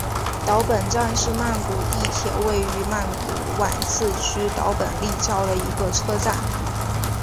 岛本站是曼谷地铁位于曼谷挽赐区岛本立交的一个车站。